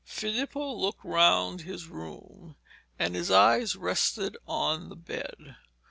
Filippo looked round his room, and his eye rested on the bed.